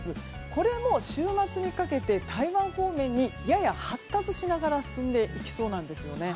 これも週末にかけて台湾方面にやや発達しながら進んでいきそうなんですね。